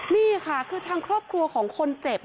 นี่ค่ะคือทางครอบครัวของคนเจ็บ